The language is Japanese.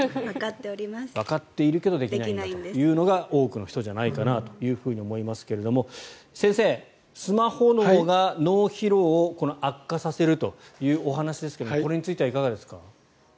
わかっているけどできないのが多くの人じゃないかなと思いますが先生、スマホ脳が脳疲労を悪化させるというお話ですがこれについてはいかがですか？